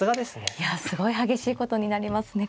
いやすごい激しいことになりますね